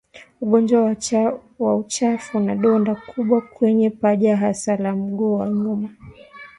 ugonjwa wa uchafu na donda kubwa kwenye paja hasa la mguu wa nyuma